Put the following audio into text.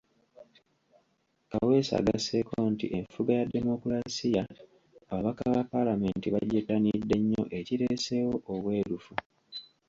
Kaweesa agasseeko nti enfuga ya demokulaasiya ababaka ba Paalamenti bagyettanidde nnyo ekireeseewo obwerufu.